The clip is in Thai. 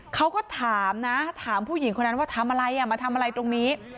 เขาก็ถามนะถามผู้หญิงคนนั้นว่าทำอะไรมาทำอะไรตรงนี้